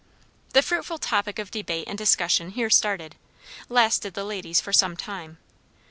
The fruitful topic of debate and discussion here started, lasted the ladies for some time.